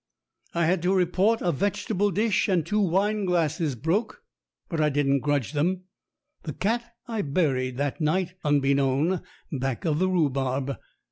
I had to report a vegetable dish and two wine glasses broke, but I didn't grudge them. The cat I buried that night, unbeknown, back of the rhubarb.